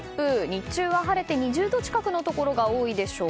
日中は晴れて２０度近くのところが多いでしょう。